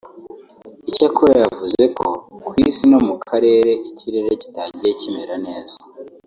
Icyakora yavuze ko ku isi no mu Karere ikirere kitagiye kimera neza